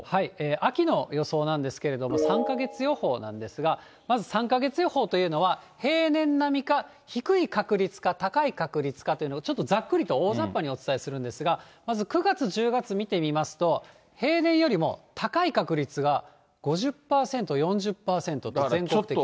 秋の予想なんですけれども、３か月予報なんですが、まず３か月予報というのは、平年並みか、低い確率か高い確率かというのを、ちょっとざっくりと、おおざっぱにお伝えするんですが、まず９月、１０月、見てみますと、平年よりも高い確率が５０％、４０％と、全国的に。